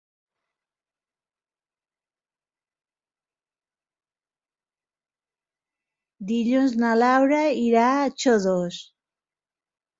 Dilluns na Laura irà a Xodos.